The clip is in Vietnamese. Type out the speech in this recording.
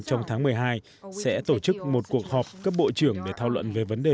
trong tháng một mươi hai sẽ tổ chức một cuộc họp cấp bộ trưởng để thảo luận về vấn đề